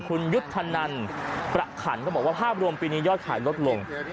คุณยุทธนันประขันก็บอกว่าภาพรวมปีนี้ยอดขายลดลง